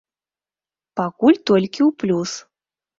Пакуль толькі ў плюс.